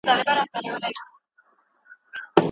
هغه د قاضيانو خپلواکي ساتله.